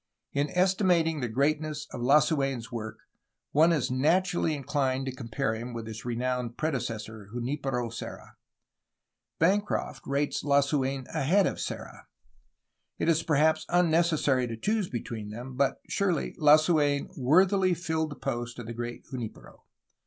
In estimating the greatness of Lasu^n's work one is nat urally inclined to compare him with his renowned prede cessor, Junfpero Serra. Bancroft rates Lasu^n ahead of Serra. It is perhaps unnecessary to choose between them, but, surely, Lasuen worthily filled the post of the great Junfpero.